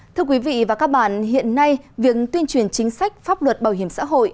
thưa quý vị và các bạn hiện nay việc tuyên truyền chính sách pháp luật bảo hiểm xã hội